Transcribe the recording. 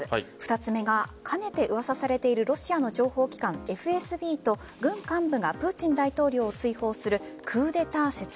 ２つ目が、かねて噂されているロシアの情報機関・ＦＳＢと軍幹部がプーチン大統領を追放するクーデター説。